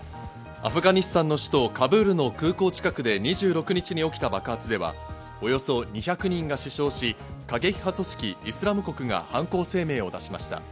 アフガニスタンの首都カブールの空港近くで２６日起きた爆発ではおよそ２００人が死傷し、過激派組織イスラム国が犯行声明を出しました。